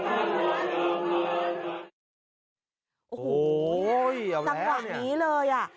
โอ้โหจังหวะนี้เลยอ่ะ